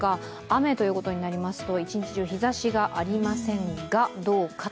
雨ということになりますと、一日中日ざしがありませんが。